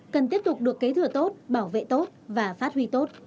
cần tiếp tục được kế thừa tốt bảo vệ tốt và phát huy tốt